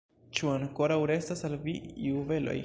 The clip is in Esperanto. Ĉu ankoraŭ restas al vi juveloj?